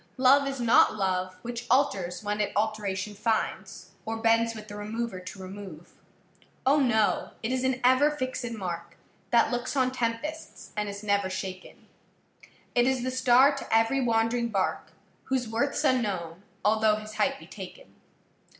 Love is not love Which alters when it alteration finds, Or bends with the remover to remove: O, no! it is an ever fixed mark, That looks on tempests and is never shaken; It is the star to every wandering bark, Whose worthâs unknown, although his height be taken.